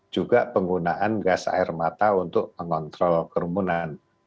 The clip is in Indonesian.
juga penggunaan gas air mata untuk mengontrol kerumunan